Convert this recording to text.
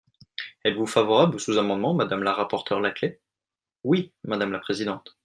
Êtes-vous favorable au sous-amendement, madame la rapporteure Laclais ? Oui, madame la présidente.